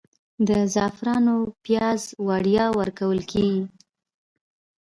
د زعفرانو پیاز وړیا ورکول کیږي؟